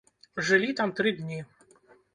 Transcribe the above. Жылі там тры тыдні.